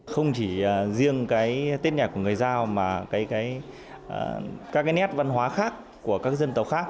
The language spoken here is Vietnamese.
không chỉ riêng cái tết nhạc của người giao mà các cái nét văn hóa khác của các dân tộc khác